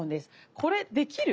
これできる？